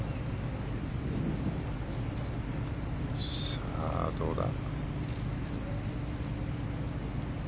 さあ、どうだ。